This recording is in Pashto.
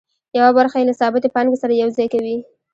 یوه برخه یې له ثابتې پانګې سره یوځای کوي